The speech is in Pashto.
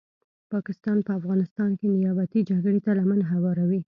پاکستان په افغانستان کې نیابتې جګړي ته لمن هواروي